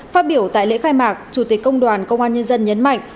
phát biểu tại lễ khai mạc chủ tịch công đoàn công an nhân dân nhấn mạnh